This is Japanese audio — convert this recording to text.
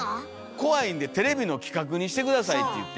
怖いんでテレビの企画にして下さいって言って。